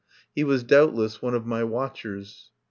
He was doubtless one of my watchers.